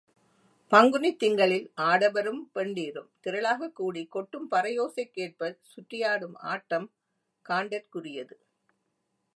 பங்குனித் திங்களில் ஆடவரும் பெண்டிரும் திரளாகக் கூடி, கொட்டும் பறையோசைக்கேற்பச் சுற்றியாடும் ஆட்டம் காண்டற்குரியது.